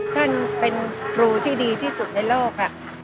ท่านเป็นครูที่ดีที่สุดในโลก